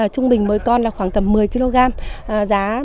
trung bình mỗi con là khoảng tầm một mươi kg giá